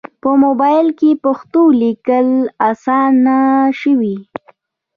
په موبایل کې پښتو لیکل اسانه شوي.